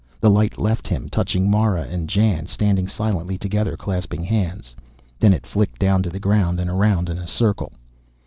The light left him, touching Mara and Jan, standing silently together, clasping hands. Then it flicked down to the ground and around in a circle.